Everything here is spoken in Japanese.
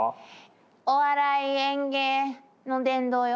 「お笑い演芸の殿堂」よ。